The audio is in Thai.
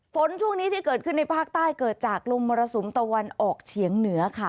ฝนช่วงนี้ที่เกิดขึ้นในภาคใต้เกิดจากลมมรสุมตะวันออกเฉียงเหนือค่ะ